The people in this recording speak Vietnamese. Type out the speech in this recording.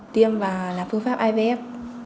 tiêm và làm phương pháp ivf